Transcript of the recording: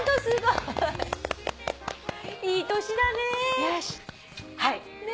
いい年だね。